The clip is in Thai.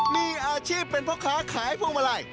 มีอาชีพเป็นพ่อค้าขายพวงมาลัย